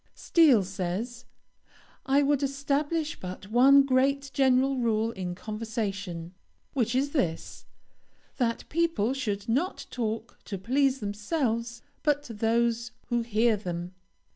Steele says, "I would establish but one great general rule in conversation, which is this that people should not talk to please themselves, but those who hear them.